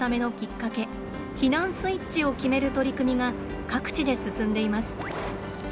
「避難スイッチ」を決める取り組みが各地で進んでいます。